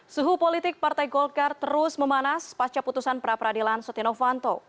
suhu politik partai golkar terus memanas pasca putusan perapradilan sotianov vanto